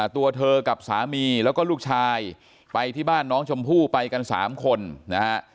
ตัวเธอกับสามีแล้วก็ลูกชายไปที่บ้านน้องชมพู่ไปกัน๓คนนะฮะ